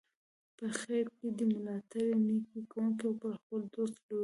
په خیر کې دي ملاتړی، نیکي کوونکی او پر خپل دوست لورین وي.